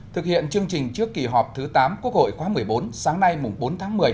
thực hiện chương trình trước kỳ họp thứ tám quốc hội khóa một mươi bốn sáng nay bốn tháng một mươi